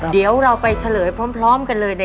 เดี๋ยวเราไปเฉลยพร้อมกันเลย